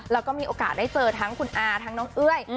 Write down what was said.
แล้วก็มีโอกาสได้เจอทั้งคุณอาทั้งน้องเอ้ย